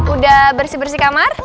udah bersih bersih kamar